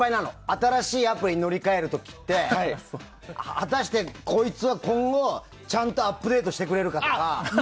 新しいアプリに乗り換える時って、果たしてこいつは今後ちゃんとアップデートしてくれるかとか。